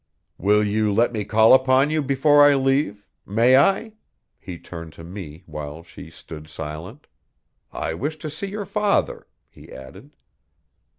'Will you let me call upon you before I leave may I?' He turned to me while she stood silent. 'I wish to see your father,' he added.